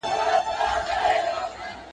ترخه وخوره، خو ترخه مه وايه.